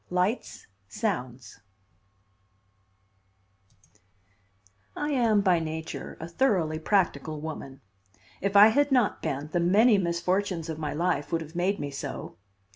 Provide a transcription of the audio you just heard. LIGHTS SOUNDS I am by nature a thoroughly practical woman. If I had not been, the many misfortunes of my life would have made me so.